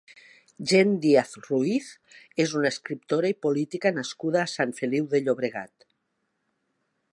Jenn Díaz Ruiz és una escriptora i política nascuda a Sant Feliu de Llobregat.